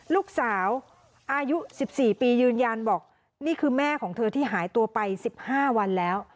ลูกสาวอายุ๑๔ปียืนยันบอกนี่คือแม่ของเธอที่หายตัวไป๑๕วันแล้ว